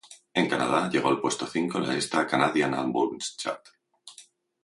En Canadá, llegó al puesto cinco en la lista "Canadian Albums Chart".